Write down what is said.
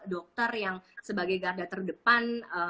dokter yang sebagai garda terdepan